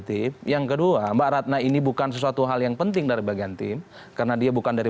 terima kasih yang kedua mbak ratna ini bukan sesuatu hal yang penting dari bagian tim karena dia bukan dari